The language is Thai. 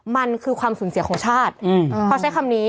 มันคือความสูญเสียของชาติเขาใช้คำนี้